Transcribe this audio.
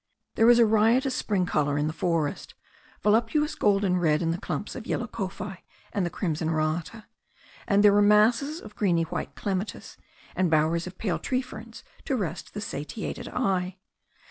There was a riotous spring colour in the forest, voluptuous gold and red in the clumps of yellow kowhai and the crimson rata, and there were masses of greeny white clematis and bowers of pale tree ferns to rest the satiated eye.